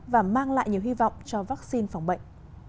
và mang lại nhiều hy vọng cho vaccine phòng bệnh